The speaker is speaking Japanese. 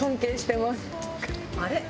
あれ？